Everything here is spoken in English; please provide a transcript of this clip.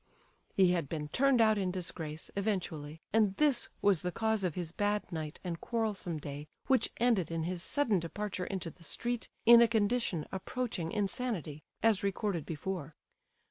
He had been turned out in disgrace, eventually, and this was the cause of his bad night and quarrelsome day, which ended in his sudden departure into the street in a condition approaching insanity, as recorded before.